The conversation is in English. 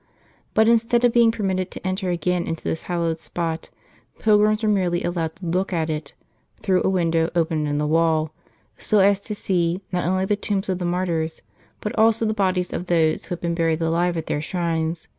But instead of being permitted to enter again into this hallowed spot, pilgrims were merely allowed to look at it, through a window opened in the wall, so as to see, not only the tombs of the martyrs, but also the bodies of those who had been buried alive at their shrines.